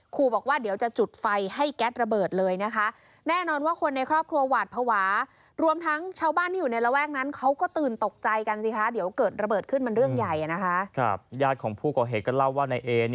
ครูบอกว่าเดี๋ยวจะจุดไฟให้แก๊สระเบิดเลยนะคะ